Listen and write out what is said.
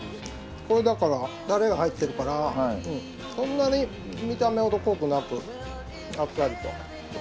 これだからタレが入っているからそんなに見た目ほど濃くなくあっさりと。